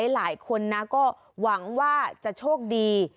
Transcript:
หลายคนนะก็หวังว่าจะโชคดี